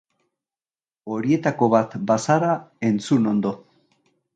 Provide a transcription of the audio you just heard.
Horietako bat bazara entzun ondo!